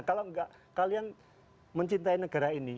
kalau enggak kalian mencintai negara ini